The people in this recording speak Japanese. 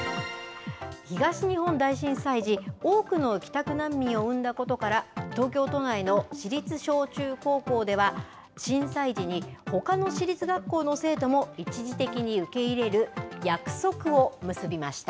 東日本大震災時、多くの帰宅難民を生んだことから、東京都内の私立小中高校では、震災時にほかの私立学校の生徒も一時的に受け入れる約束を結びました。